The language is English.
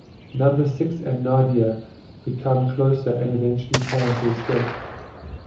Number Six and Nadia become closer and eventually plan to escape.